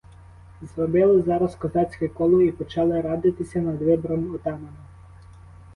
Зробили зараз козацьке коло і почали радитися над вибором отамана.